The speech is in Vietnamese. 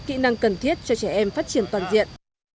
kỹ năng cần thiết cho trẻ em phát triển toàn diện